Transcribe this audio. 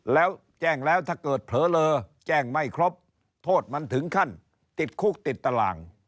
แล้วแจ้งแล้วถ้าเกิดเผลอเลอแจ้งไม่ครบโทษมันถึงขั้นติดคุกติดตาราง